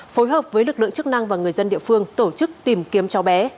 phối hợp với lực lượng chức năng và người dân địa phương tổ chức tìm kiếm cháu bé